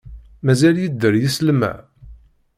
Mazal yedder yislem-a?